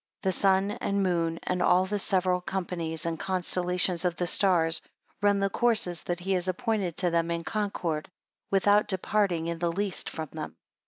7 The sun and moon, and all the several companies and constellations of the stars, run the courses that he has appointed to them in concord, without departing in the least from them.